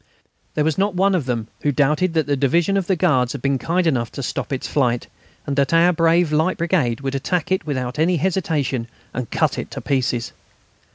There was not one of them who doubted that the Division of the Guards had been kind enough to stop its flight, and that our brave light brigade would attack it without any hesitation and cut it to pieces.